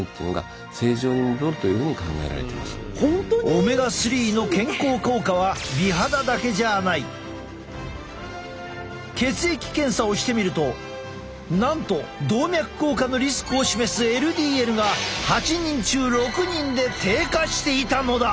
オメガ３の健康効果は血液検査をしてみるとなんと動脈硬化のリスクを示すＬＤＬが８人中６人で低下していたのだ。